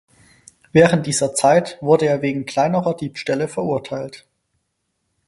Während dieser Zeit wurde er wegen kleinerer Diebstähle verurteilt.